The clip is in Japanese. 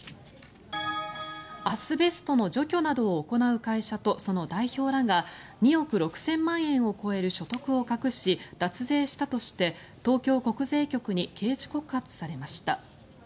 アスベストの除去などを行う会社とその代表らが２億６０００万円を超える所得を隠し、脱税したとして東京国税局に刑事告発されました。